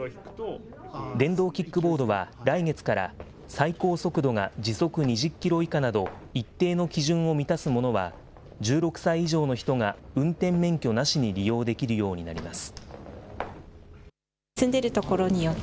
電動キックボードは、来月から最高速度が時速２０キロ以下など、一定の基準を満たす者は、１６歳以上の人が運転免許なしに利用できるようになります。